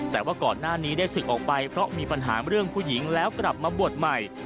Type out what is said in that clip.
แต่ว่าก่อนหน้านี้ได้ศึกออกไปเพราะมีปัญหาเรื่องผู้หญิงแล้วกลับมาบวชใหม่